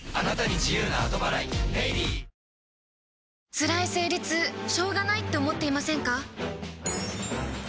つらい生理痛しょうがないって思っていませんか？